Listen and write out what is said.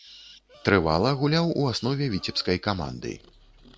Трывала гуляў у аснове віцебскай каманды.